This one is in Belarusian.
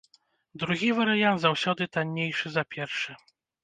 Другі варыянт заўсёды таннейшы за першы.